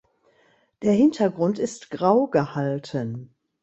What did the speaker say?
Der Hintergrund ist grau gehalten.